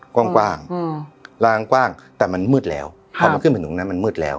กว้างลางกว้างแต่มันมืดแล้วพอมันขึ้นไปตรงนั้นมันมืดแล้ว